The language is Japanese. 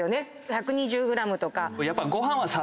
１２０ｇとか。